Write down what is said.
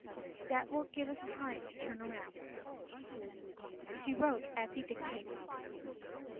That will give us time to turn around.”She wrote as he dictated.